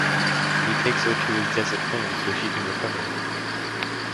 He takes her to his desert home so she can recover.